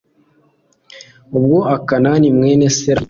ubwo akani mwene zerahi ahemutse